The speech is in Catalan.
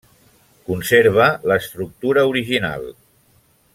Conserva l'estructura original.